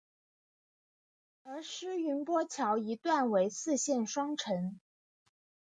而师云砵桥一段为四线双程。